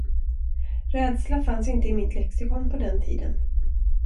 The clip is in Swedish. Rädsla fanns inte i mitt lexikon på den tiden.